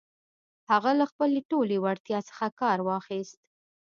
هغه له خپلې ټولې وړتيا څخه کار واخيست.